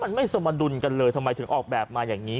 มันไม่สมดุลกันเลยทำไมถึงออกแบบมาอย่างนี้